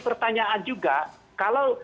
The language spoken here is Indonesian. pertanyaan juga kalau